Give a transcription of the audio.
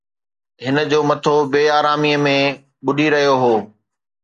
هن جو مٿو بي آراميءَ ۾ ٻڏي رهيو هو